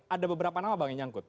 ada beberapa nama bang yang nyangkut